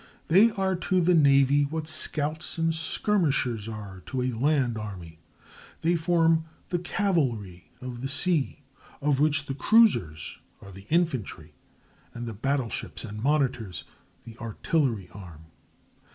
They are to the navy what scouts and skirmishers are to a land army. They form the cavalry of the sea, of which the cruisers are the infantry, and the battle ships and monitors the artillery arm.